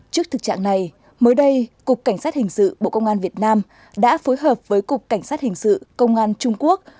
trước thực trạng này mới đây cục cảnh sát hình sự bộ công an việt nam đã phối hợp với cục cảnh sát hình sự công an trung quốc